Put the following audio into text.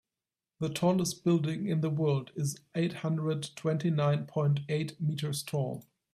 The tallest building in the world is eight hundred twenty nine point eight meters tall.